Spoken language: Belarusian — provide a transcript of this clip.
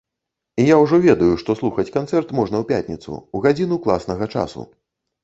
І я ўжо ведаю, што слухаць канцэрт можна ў пятніцу, у гадзіну класнага часу.